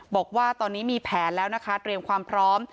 บอกว่าตอนนี้มีแผนแล้วนะคะเตรียมความพร้อม